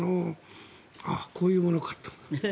ああ、こういうものかと。